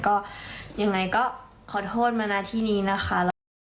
ก็ยังไงก็ขอโทษมานะที่นี้นะคะ